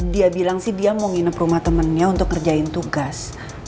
dia bilang sih dia mau nginep rumah temennya untuk ngerjain tugas